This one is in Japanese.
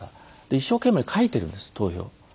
一生懸命書いているんです投票を。